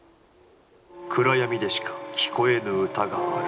暗闇でしか聴こえぬ歌がある。